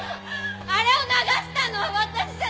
あれを流したのは私じゃない！